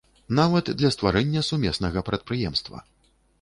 Нават для стварэння сумеснага прадпрыемства.